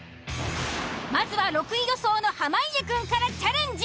まずは６位予想の濱家くんからチャレンジ。